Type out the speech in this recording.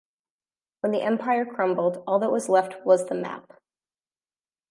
When the Empire crumbled, all that was left was the map.